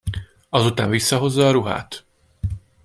Azután visszahozza a ruhát.